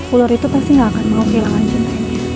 ular itu pasti gak akan mau kehilangan kita